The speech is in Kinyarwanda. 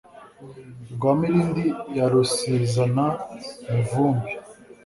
Rwa Mirindi ya Rusizana mivumbi